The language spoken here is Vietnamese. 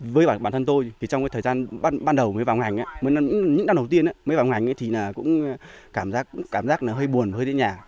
với bản thân tôi thì trong thời gian ban đầu mới vào ngành những năm đầu tiên mới vào ngành thì cũng cảm giác hơi buồn hơi dễ nhả